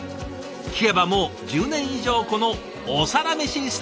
聞けばもう１０年以上このお皿メシスタイル。